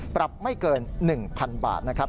ปรับไม่เกิน๑๐๐๐บาทนะครับ